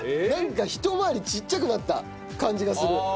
なんかひと回りちっちゃくなった感じがする。